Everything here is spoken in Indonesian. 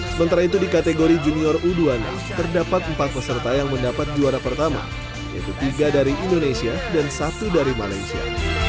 sementara itu di kategori junior u dua puluh enam terdapat empat peserta yang mendapat juara pertama yaitu tiga dari indonesia dan satu dari malaysia